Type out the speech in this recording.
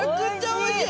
おいしい。